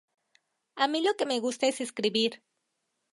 A mí lo que me gusta es escribir.